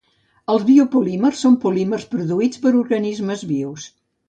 Els biopolímers són polímers produïts per organismes vius.